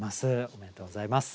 おめでとうございます。